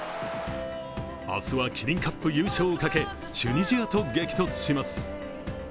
明日はキリンカップ優勝をかけ、チュニジアと激突します。